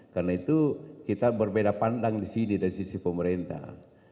karena itu kita berbeda pandang di sini dari sisi pemerintah